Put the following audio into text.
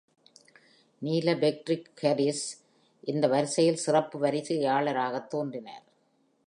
Neil Patrick Harris இந்த வரிசையில் சிறப்பு வருகையாளராகத் தோன்றினார்.